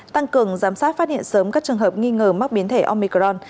tăng cường giám sát phát hiện sớm các trường hợp nghi ngờ mắc biến thể omicron